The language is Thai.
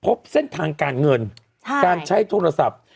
พบเส้นทางการเงินการใช้โทรศัพท์